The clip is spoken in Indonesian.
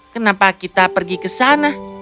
kenapa kita pergi ke sana